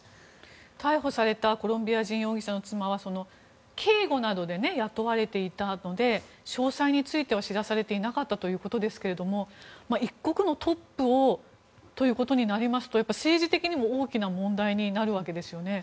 逮捕されたコロンビア人容疑者の妻は警護などで雇われていたので詳細については知らされていなかったということですが一国のトップをということになると、政治的にも大きな問題になるわけですよね。